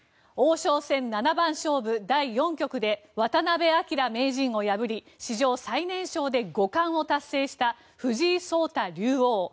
王将戦七番勝負第４局で渡辺明名人を破り史上最年少で五冠を達成した藤井聡太竜王。